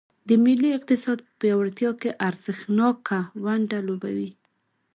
د ملي اقتصاد په پیاوړتیا کې ارزښتناکه ونډه لوبوي.